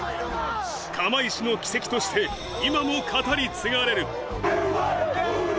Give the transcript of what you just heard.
釜石の奇跡として今も語り継がれる。